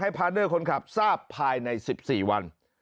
พาร์ทเนอร์คนขับทราบภายใน๑๔วัน